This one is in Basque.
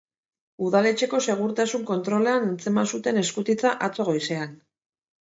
Udaletxeko segurtasun kontrolean atzeman zuten eskutitza atzo goizean.